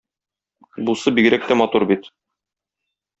Бусы бигрәк тә матур бит.